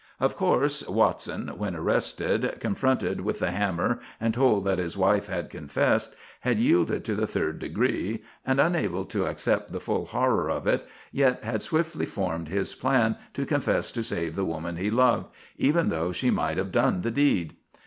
Of course Watson, when arrested, confronted with the hammer and told that his wife had confessed, had yielded to the third degree and, unable to accept the full horror of it, yet had swiftly formed his plan to confess to save the woman he loved, even though she might have done the deed.